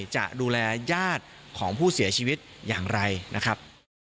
จะดูแลญาติของผู้เสียชีวิตอย่างไรนะครับ